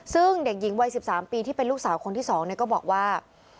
ซึ่งเด็กหญิงวัย๑๓ปีที่เป็นลูกสาวคนที่๒ก็บอกว่า